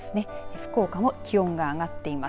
福岡も気温が上がっています。